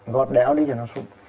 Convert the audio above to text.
gót đéo đi cho nó sụn